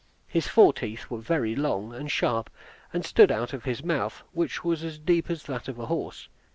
His fore teeth were very long and sharp, and stood out of his mouth, which was as deep as that of a horse.